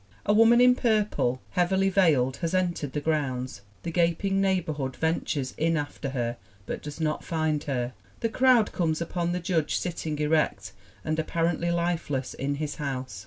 A woman in purple, heavily veiled, has entered the grounds. The gaping neighbor hood ventures in after her but does not find her. The crowd comes upon the Judge sitting erect and appar ently lifeless in his house